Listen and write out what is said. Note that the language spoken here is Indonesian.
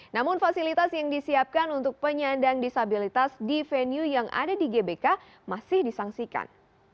namun fasilitas yang disiapkan untuk penyandang disabilitas di venue yang ada di gbk masih disangsikan